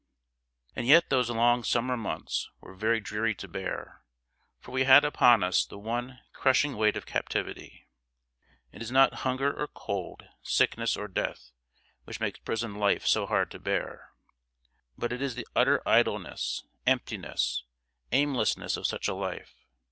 ] And yet those long Summer months were very dreary to bear, for we had upon us the one heavy, crushing weight of captivity. It is not hunger or cold, sickness or death, which makes prison life so hard to bear. But it is the utter idleness, emptiness, aimlessness of such a life.